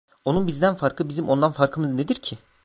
Onun bizden farkı, bizim ondan farkımız nedir ki?